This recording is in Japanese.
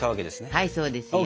はいそうですよ。